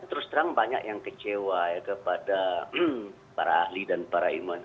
saya terus terang banyak yang kecewa kepada para ahli dan para ilmuwan